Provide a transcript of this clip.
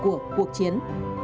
của cuộc chiến